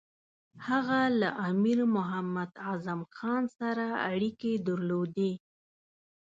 هغه له امیر محمد اعظم خان سره اړیکې درلودې.